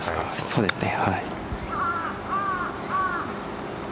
そうですね。